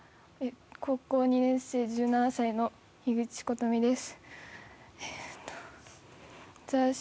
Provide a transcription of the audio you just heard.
高校２年生、１７歳の樋口琴美です。